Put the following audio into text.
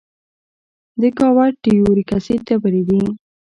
د ګاؤټ د یوریک اسید ډبرې دي.